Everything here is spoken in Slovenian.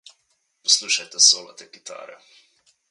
Poslušajte solo te kitare!